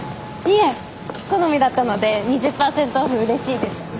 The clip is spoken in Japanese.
いえ好みだったので２０％オフ嬉しいです。